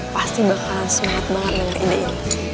pasti bakal semangat banget dengan ide ini